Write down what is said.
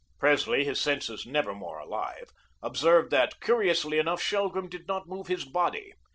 Presley, his senses never more alive, observed that, curiously enough, Shelgrim did not move his body.